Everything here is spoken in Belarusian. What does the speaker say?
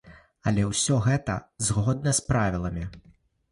Але ўсё гэта згодна з правіламі.